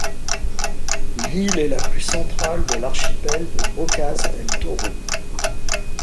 L'île est la plus centrale de l'archipel de Bocas del Toro.